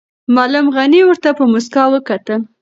معلم غني ورته په موسکا وکتل.